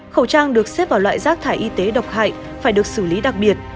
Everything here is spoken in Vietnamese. khẩu trang được xếp vào loại rác thải y tế độc hại phải được xử lý đặc biệt